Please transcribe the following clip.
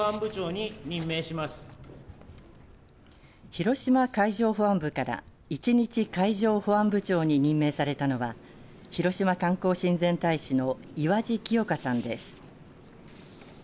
広島海上保安部から１日海上保安部長に任命されたのは広島観光親善大使の岩地希代香さんです。